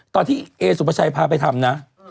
ต่อที่เอเซวาวัชไชยฟ้าไปทำนะ